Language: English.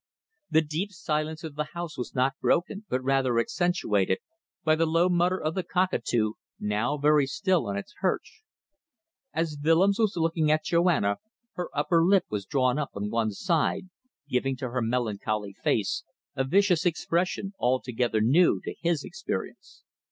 The deep silence of the house was not broken, but rather accentuated, by the low mutter of the cockatoo, now very still on its perch. As Willems was looking at Joanna her upper lip was drawn up on one side, giving to her melancholy face a vicious expression altogether new to his experience.